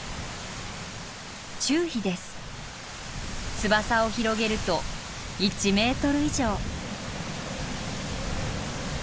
翼を広げると１メートル以上。